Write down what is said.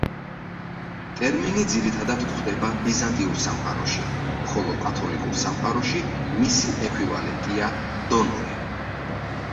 ტერმინი ძირითადად გვხვდება „ბიზანტიურ სამყაროში“, ხოლო კათოლიკურ სამყაროში მისი ექვივალენტია დონორი.